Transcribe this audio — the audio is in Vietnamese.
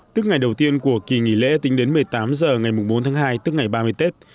tức ngày đầu tiên của kỳ nghỉ lễ tính đến một mươi tám h ngày bốn tháng hai tức ngày ba mươi tết